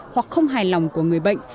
hoặc không hài lòng của người bệnh